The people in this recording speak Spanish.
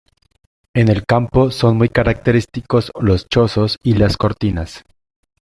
En el campo son muy característicos los chozos y las cortinas.